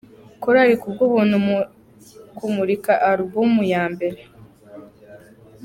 Korali Kubwubuntu mu kumurika Alubumu ya mbere